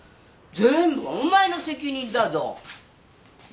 全部お前の責任だぞ。